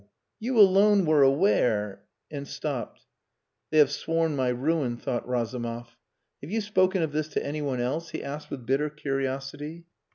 You alone were aware,..." and stopped. "They have sworn my ruin," thought Razumov. "Have you spoken of this to anyone else?" he asked with bitter curiosity.